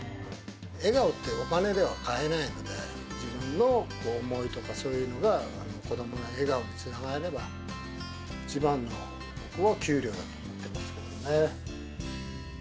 笑顔ってお金では買えないので、自分の思いとか、そういうのが、子どもの笑顔につながれば、一番の給料だと思ってますけどね。